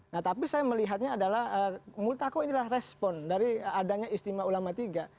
nah tapi saya melihatnya adalah multako ini adalah respon dari adanya istimewa ulama tiga